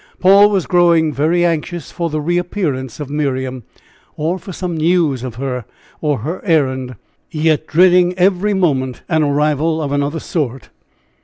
Paul was growing very anxious for the reappearance of Miriam, or for some news of her or her errand, yet dreading every moment an arrival of another sort.